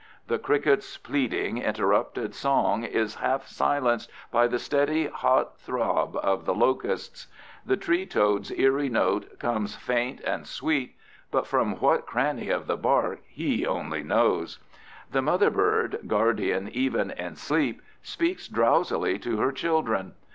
The cricket's pleading, interrupted song is half silenced by the steady, hot throb of the locust's. The tree toad's eerie note comes faint and sweet, but from what cranny of the bark he only knows. The mother bird, guardian even in sleep, speaks drowsily to her children.